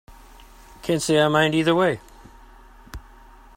Can't say I mind either way.